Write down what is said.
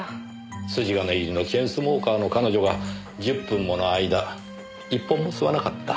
筋金入りのチェーンスモーカーの彼女が１０分もの間１本も吸わなかった。